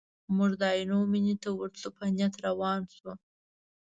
موږ د عینو مینې ته د ورتلو په نیت روان شوو.